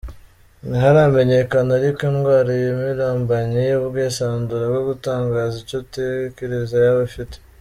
Ntiharamenyekana ariko indwara iyi mpirimbanyi y’ubwisanzure bwo gutangaza icyo utekereza yaba afite.